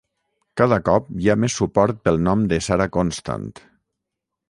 Cada cop hi ha més suport pel nom de Sarah Constant.